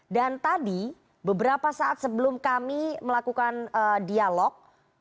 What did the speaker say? dan tadi beberapa saat sebelum kami melakukan dialog